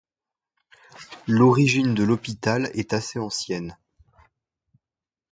L'origine de l'hôpital est assez ancienne.